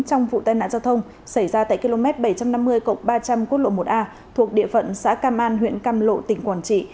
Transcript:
trong vụ tai nạn giao thông xảy ra tại km bảy trăm năm mươi ba trăm linh quốc lộ một a thuộc địa phận xã cam an huyện cam lộ tỉnh quảng trị